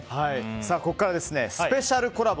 ここからはスペシャルコラボ